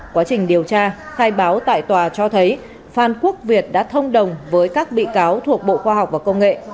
quá trình điều tra khai báo tại tòa cho thấy phan quốc việt đã thông đồng với các bị cáo thuộc bộ khoa học và công nghệ